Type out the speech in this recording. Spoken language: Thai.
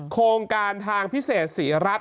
โครงการทางพิเศษศรีรัฐ